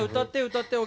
歌ってよ！